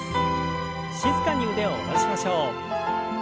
静かに腕を下ろしましょう。